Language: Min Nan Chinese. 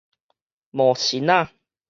魔神仔